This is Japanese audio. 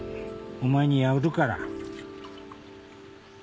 お前にやるから。